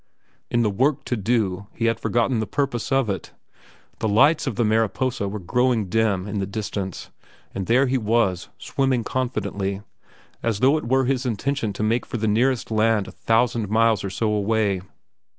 In the work to do he had forgotten the purpose of it. The lights of the Mariposa were growing dim in the distance, and there he was, swimming confidently, as though it were his intention to make for the nearest land a thousand miles or so away.